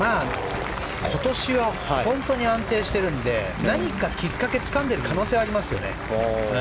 今年は本当に安定しているんで何かきっかけをつかんでいる可能性がありますよね。